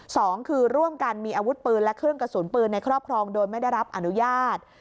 สองคือร่วมกันมีอาวุธปืนและเครื่องกระสุนปืนในครอบครองโดยไม่ได้รับอนุญาต